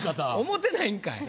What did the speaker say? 思ってないんかい。